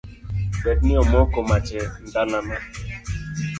Berni omoko mach e ndalana.